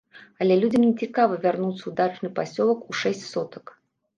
Але людзям не цікава вярнуцца ў дачны пасёлак, у шэсць сотак.